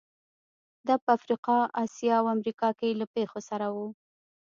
دا په افریقا، اسیا او امریکا کې له پېښو سره وو.